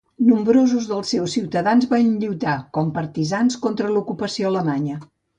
Nombrosos dels seus ciutadans van lluitar com partisans contra l'ocupació alemanya.